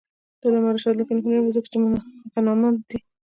د علامه رشاد لیکنی هنر مهم دی ځکه چې غنامند دی.